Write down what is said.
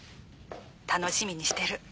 楽しみにしてる。